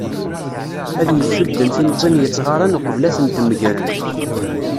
Ad yessuden timẓin yettɣaran uqbel ad tent-megren.